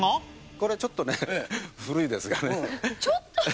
これちょっとね、古いですがちょっと？